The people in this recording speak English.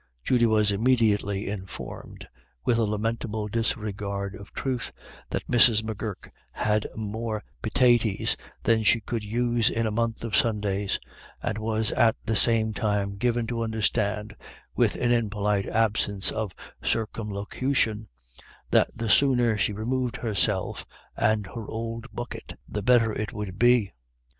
Judy was immediately informed, with a lamentable disregard of truth, that Mrs. M'Gurk had more pitaties than she could use in a month of Sundays, and was at the same time given to understand, with an impolite absence of circumlocution, that the sooner she removed herself and her ould bucket, the better it would be.